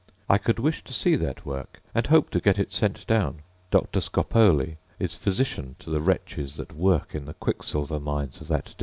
I could wish to see that work, and hope to get it sent down. Dr. Scopoli is physician to the wretches that work in the quicksilver mines of that district.